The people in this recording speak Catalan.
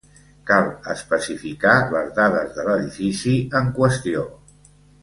Cal especificar les dades de l'edifici en qüestió.